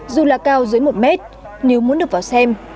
dù là cao dưới một mét nếu muốn được vào xem